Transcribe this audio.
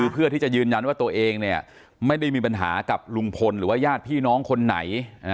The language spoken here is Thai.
เพื่อที่จะยืนยันว่าตัวเองไม่ได้มีปัญหากับลุงพลหรือว่าญาติพี่น้องคนไหน